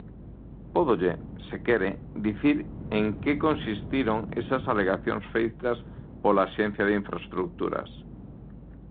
Pódolle, se quere, dicir en que consistiron esas alegacións feitas pola Axencia de Infraestructuras.